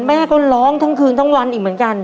แม่ก็ร้องทั้งคืนทั้งวันอีกเหมือนกัน